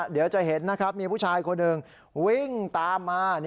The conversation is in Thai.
เดี๋ยวจะเห็นนะครับมีผู้ชายคนหนึ่งวิ่งตามมา